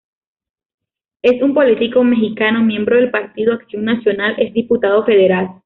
Es un político mexicano, miembro del Partido Acción Nacional, es Diputado Federal.